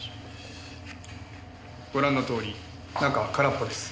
ご覧のとおり中は空っぽです。